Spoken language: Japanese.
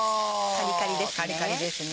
カリカリですね。